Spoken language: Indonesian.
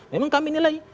memang kami nilai